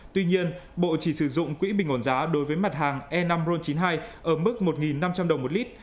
tuy nhiên bộ chỉ sử dụng quỹ bình ổn giá đối với mặt hàng e năm ron chín mươi hai ở mức một năm trăm linh đồng một lít